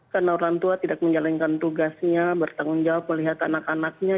karena orang tua tidak menjalankan tugasnya bertanggung jawab melihat anak anaknya